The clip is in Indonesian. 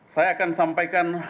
saya akan sampaikan